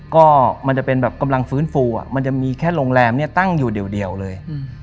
ก็มันจะเป็นแบบกำลังฟื้นฟูมันจะมีแค่โรงแรมเนี่ยตั้งอยู่เดียวเลย